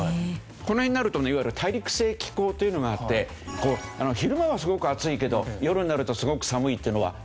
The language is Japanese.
この辺になるとねいわゆる大陸性気候というのがあって昼間はすごく暑いけど夜になるとすごく寒いっていうのはありますよね。